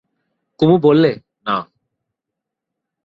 কুমু বললে, না।